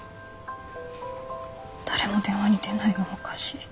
誰も電話に出ないのおかしい。